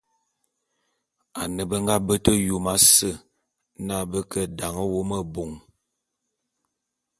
Ane be nga bete Yom ase na be ke dan wô mebôn.